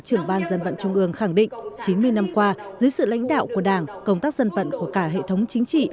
trưởng ban dân vận trung ương khẳng định chín mươi năm qua dưới sự lãnh đạo của đảng công tác dân vận của cả hệ thống chính trị